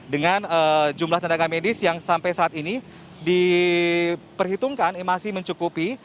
dengan jumlah tenaga medis yang sampai saat ini diperhitungkan masih mencukupi